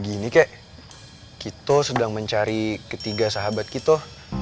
gini kek kito sedang mencari ketiga sahabat kito